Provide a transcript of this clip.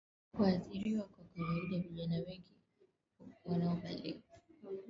kuathiriwa Kwa kawaida vijana wengi wanaobalehe hudhani